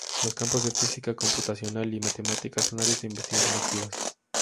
Los campos de física computacional y matemáticas son áreas de investigación activas.